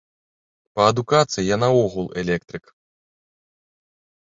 Па адукацыі я наогул электрык.